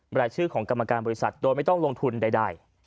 รายชื่อของกรรมการบริษัทโดยไม่ต้องลงทุนใด